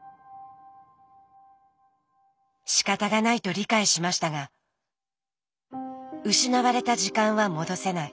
しかたがないと理解しましたが失われた時間は戻せない。